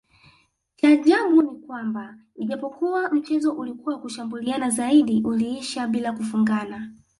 Cha ajabu ni kwamba ijapokua mchezo ulikua wa kushambuliana zaidi uliisha bila kufungana